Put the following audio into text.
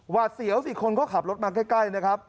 เสียวสิคนก็ขับรถมาใกล้นะครับ